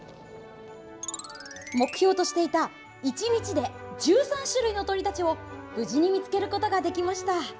目標としていた１日で１３種類の鳥たちを無事に見つけることができました。